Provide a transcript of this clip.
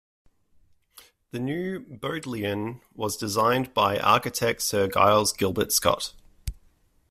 The New Bodleian was designed by architect Sir Giles Gilbert Scott.